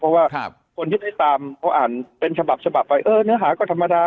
เพราะว่าคนที่ได้ตามพออ่านเป็นฉบับไปเออเนื้อหาก็ธรรมดา